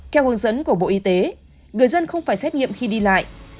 theo hướng dẫn của bộ y tế người dân không phải xét nghiệm khi đi lại